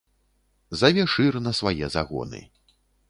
Заве шыр на свае загоны.